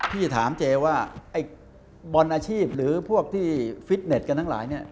พี่ถามเจว่าไอ้บอลอาชีพหรือพวกที่ฟิตเน็ตกันทั้งหลายเนี่ย